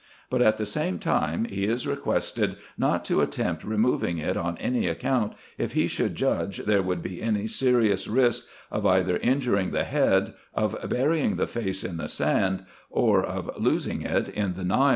But, at the same time, he is requested not to attempt removing it, on any account, if he should judge there would be any serious risk of either injuring the head, of burying the face in the sand, or of losing it in the Nile.